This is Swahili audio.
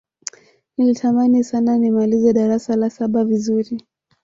nilitamani sana nimalize darasa la saba vizuri